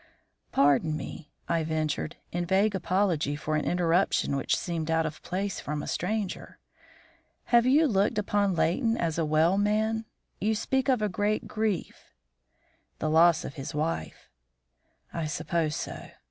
"Pardon me," I ventured, in vague apology for an interruption which seemed out of place from a stranger. "Have you looked upon Leighton as a well man? You speak of a great grief " "The loss of his wife." "I supposed so.